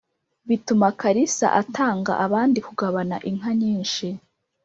Bituma kalisa atanga abandi kugabana inka nyinshi.